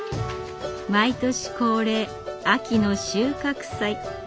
毎年恒例秋の収穫祭。